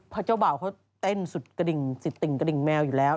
เพราะเจ้าบ่าวเขาเต้นสุดกระดิ่งสุดติ่งกระดิ่งแมวอยู่แล้ว